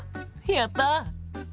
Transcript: やった！